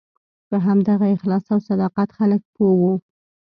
په همدغه اخلاص او صداقت خلک پوه وو.